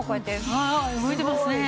はい動いてますね。